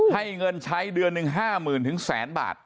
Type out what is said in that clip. ให้เงินใช้เดือนหนึ่ง๕๐๐๐ถึงแสนบาท